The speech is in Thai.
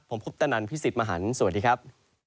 ผมพุทธนันทร์พี่สิทธิ์มหันธ์สวัสดีครับ